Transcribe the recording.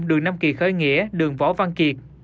đường nam kỳ khơi nghĩa đường võ văn kiệt